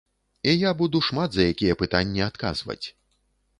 І я буду шмат за якія пытанні адказваць.